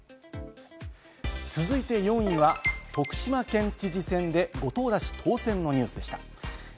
続いて４位は、徳島県知事選で後藤田氏当選のニュースでした。